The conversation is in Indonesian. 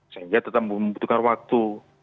sehingga tetap membutuhkan waktu